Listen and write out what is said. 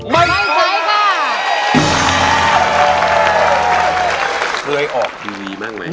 เมื่อออกทีวีบ้างไหม